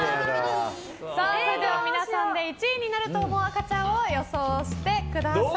皆さんで１位になると思う赤ちゃんを予想してください。